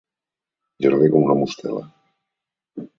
Llarder com una mostela.